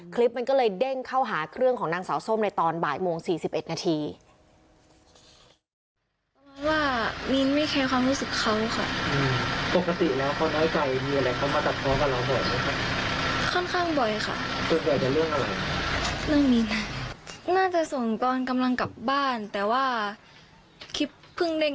คลิปมันก็เลยเด้งเข้าหาเครื่องของนางสาวส้มในตอนบ่ายโมง๔๑นาที